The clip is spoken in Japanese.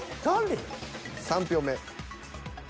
３票目。